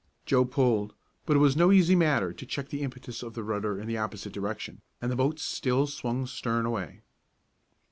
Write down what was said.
Joe pulled; but it was no easy matter to check the impetus of the rudder in the opposite direction, and the boat still swung stern away.